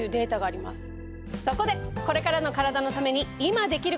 そこでこれからのカラダのために今できること！